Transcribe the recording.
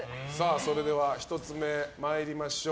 それでは１つ目参りましょう。